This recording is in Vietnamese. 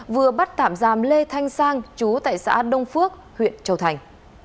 vừa bắt tạm giam lê thanh sang chú tại xã đông phước huyện châu thành